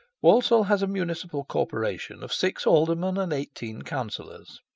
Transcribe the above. Walsall has a municipal corporation of six aldermen and eighteen councillors.